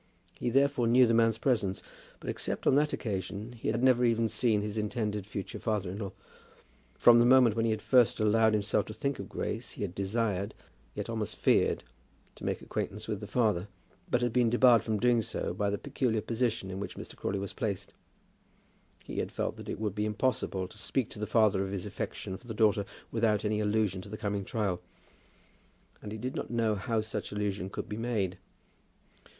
He therefore knew the man's presence, but except on that occasion he had never even seen his intended future father in law. From the moment when he had first allowed himself to think of Grace, he had desired, yet almost feared, to make acquaintance with the father; but had been debarred from doing so by the peculiar position in which Mr. Crawley was placed. He had felt that it would be impossible to speak to the father of his affection for the daughter without any allusion to the coming trial; and he did not know how such allusion could be made.